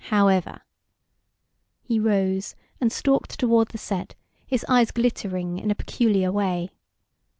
However " He rose, and stalked toward the set, his eyes glittering in a peculiar way.